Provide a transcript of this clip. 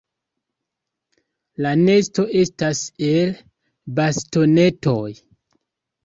La nesto estas el bastonetoj.